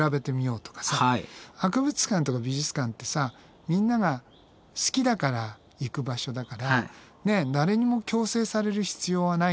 博物館とか美術館ってさみんなが好きだから行く場所だから誰にも強制される必要はないんだよね。